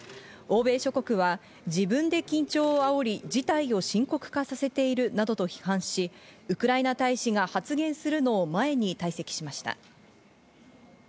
欧米諸国は自分で緊張を煽り、自体を深刻化させているなどと批判し、ウクライナ大使が発言するのを前に退席しました。